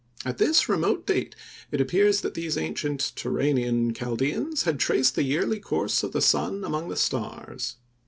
At this remote date it appears that these ancient Turanian Chaldeans had traced the yearly course of the sun among the stars.